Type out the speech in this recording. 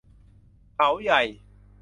เขาใหญ่